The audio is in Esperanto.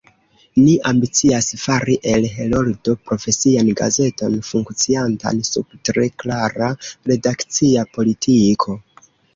Ni ambicias fari el Heroldo profesian gazeton, funkciantan sub tre klara redakcia politiko.